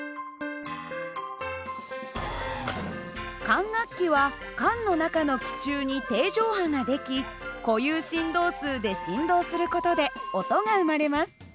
管楽器は管の中の気柱に定常波が出来固有振動数で振動する事で音が生まれます。